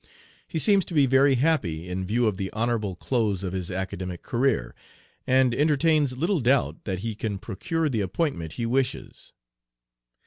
He seems to be very happy in view of the honorable close of his academic career, and entertains little doubt that he can procure the appointment he wishes.